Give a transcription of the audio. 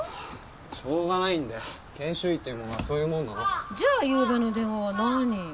しょうがないよ研修医ってのはそういうもんなのじゃあゆうべの電話は何よ？